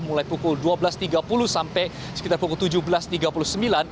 mulai pukul dua belas tiga puluh sampai sekitar pukul tujuh belas tiga puluh sembilan